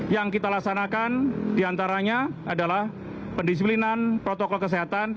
yang kita laksanakan diantaranya adalah pendisiplinan protokol kesehatan